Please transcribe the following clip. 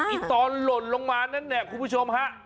ตอนหล่นลงมานั่นเนี่ยคุณผู้ชมฮะ